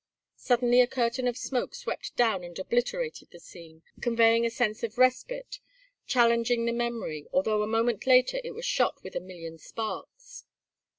Suddenly a curtain of smoke swept down and obliterated the scene, conveying a sense of respite, challenging the memory, although a moment later it was shot with a million sparks.